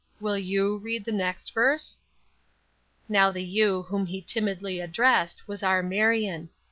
Will you read the next verse?" Now the "you" whom he timidly addressed was our Marion.